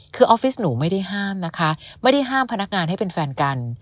คือออฟฟิศหนูไม่ได้ห้ามนะคะไม่ได้ห้ามพนักงานให้เป็นแฟนกัน